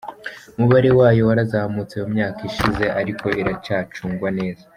Umubare wayo warazamutse mu myaka ishize ariko iracyacungwa neza.